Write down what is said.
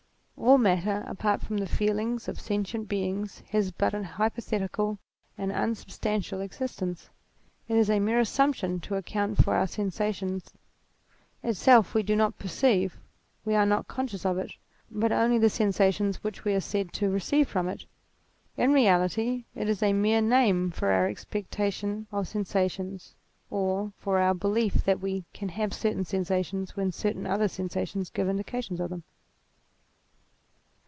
All matter apart from the feelings of sentient beings has but an hypothetical and unsubstantial existence : it is a mere assumption to account for our sensations ; itself we do not perceive, we are not conscious of it, but only of the sensations which we are said to receive from it : in reality it is a mere name for our expectation of sensations, or for our belief that we can have certain sensations when certain other sensa tions give indication of them.